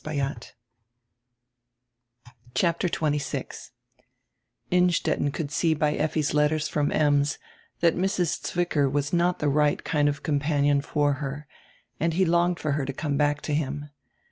] CHAPTER XXVI [INNSTETTEN could see by Effi's letters from Ems that Mrs. Zwicker was not the right kind of a companion for her and he longed for her to come back to him.